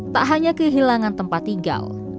tak hanya kehilangan tempat tinggal